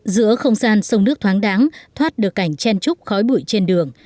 giữa không gian sông nước thoáng đáng thoát được cảnh chen trúc khói bụi trên đường